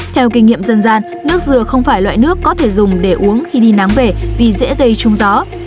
theo kinh nghiệm dân gian nước dừa không phải loại nước có thể dùng để uống khi đi nắng về vì dễ gây trung gió